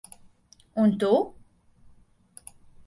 Un tu?